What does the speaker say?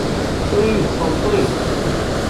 Ay d ssamṭin!